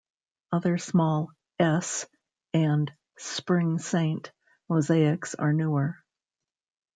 Other small "S" and "Spring Saint" mosaics are newer.